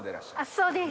そうです。